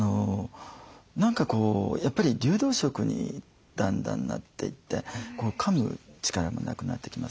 何かこうやっぱり流動食にだんだんなっていってかむ力もなくなってきますから。